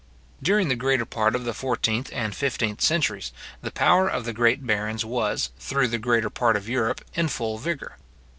During the greater part of the fourteenth and fifteenth centuries, the power of the great barons was, through the greater part of Europe, in full vigour.